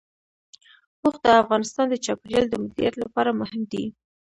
اوښ د افغانستان د چاپیریال د مدیریت لپاره مهم دي.